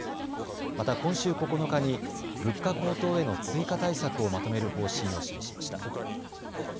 また今週９日に物価高騰への追加対策をまとめる方針を示しました。